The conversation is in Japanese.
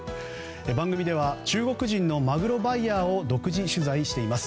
番組では、中国人のマグロバイヤーを独自取材しています。